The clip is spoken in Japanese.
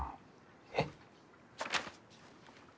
えっ？